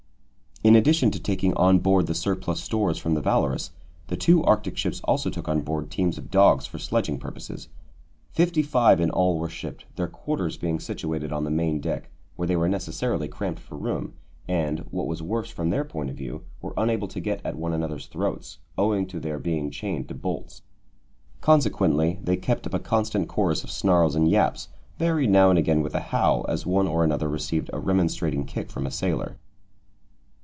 In addition to taking on board the surplus stores from the Valorous, the two Arctic ships also took on board teams of dogs for sledging purposes. Fifty five in all were shipped, their quarters being situated on the main deck, where they were necessarily cramped for room, and, what was worse from their point of view, were unable to get at one another's throats owing to their being chained to bolts. Consequently they kept up a constant chorus of snarls and yaps, varied now and again with a howl as one or another received a remonstrating kick from a sailor.